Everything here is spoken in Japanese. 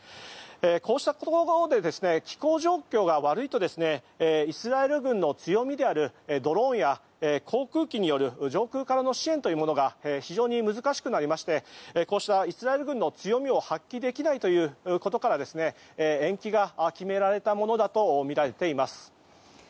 こうしたことで気象状況が悪いとイスラエル軍の強みであるドローンや航空機による上空からの支援というものが非常に難しくなりましてこうしたイスラエル軍の強みを発揮できないということから延期が決められたものだとみられています。